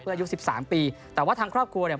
เพื่ออายุ๑๓ปีแต่ว่าทางครอบครัวเนี่ย